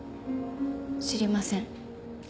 知りません。